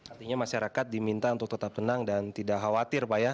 artinya masyarakat diminta untuk tetap tenang dan tidak khawatir pak ya